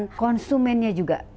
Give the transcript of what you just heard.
dan konsumennya juga